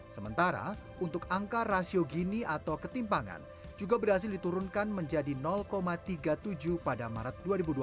sementara untuk angka rasio gini atau ketimpangan juga berhasil diturunkan menjadi tiga puluh tujuh pada maret dua ribu dua puluh